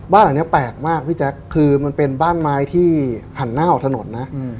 บ้านหลังนี้แปลกมากพี่แจ๊คคือมันเป็นบ้านไม้ที่หันหน้าออกถนนนะ